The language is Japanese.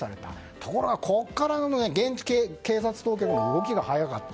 ところが、ここから警察当局の動きが早かった。